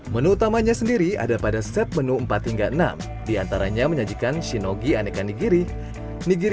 menu utamanya sendiri ada pada set menu empat hingga enam diantaranya menyajikan shinogi aneka nigiri nigiri